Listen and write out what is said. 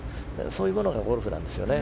そういうものがゴルフなんですよね。